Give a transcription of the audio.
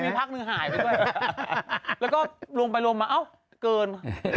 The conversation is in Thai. แล้วก็ลงไปลงมาเอาเกิน